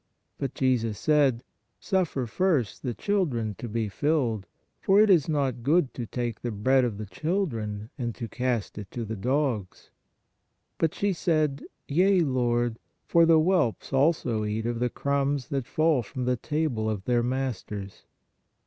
But Jesus said : Suffer first the children to be filled, for it is not good to take the bread of the children and THE WOMAN OF CANAAN 89 to cast it to the dogs. But she said: Yea, Lord; for the whelps also eat of the crumbs that fall from the table of their masters.